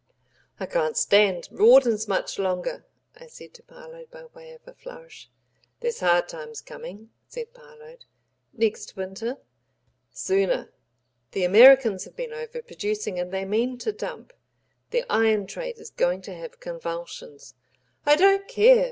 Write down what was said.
"I can't stand Rawdon's much longer," I said to Parload by way of a flourish. "There's hard times coming," said Parload. "Next winter." "Sooner. The Americans have been overproducing, and they mean to dump. The iron trade is going to have convulsions." "I don't care.